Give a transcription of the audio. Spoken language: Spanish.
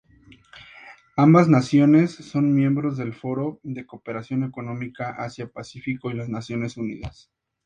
Ambas naciones son miembros del Foro de Cooperación Económica Asia-Pacífico y las Naciones Unidas.